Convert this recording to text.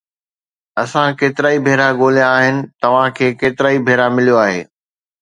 اسان ڪيترائي ڀيرا ڳوليا آهن، توهان کي ڪيترائي ڀيرا مليو آهي